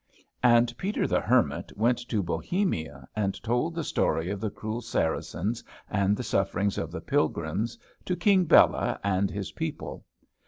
And Peter the Hermit went to Bohemia, and told the story of the cruel Saracens and the sufferings of the pilgrims to King Bela and his people.